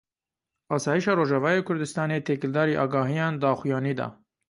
Asayişa Rojavayê Kurdistanê têkildarî agahiyan daxuyanî da.